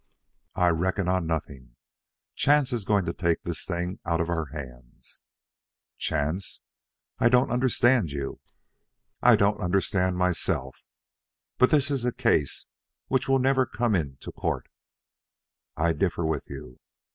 "I reckon on nothing. Chance is going to take this thing out of our hands." "Chance! I don't understand you." "I don't understand myself; but this is a case which will never come into court." "I differ with you.